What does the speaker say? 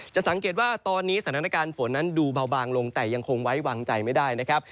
สังเกตว่าตอนนี้สถานการณ์ฝนนั้นดูเบาบางลงแต่ยังคงไว้วางใจไม่ได้นะครับ